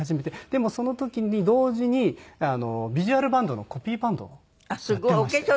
でもその時に同時にビジュアルバンドのコピーバンドをやっていまして。